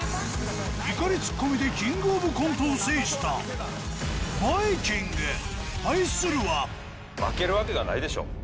怒りツッコミでキングオブコントを制した対するは負けるわけがないでしょう。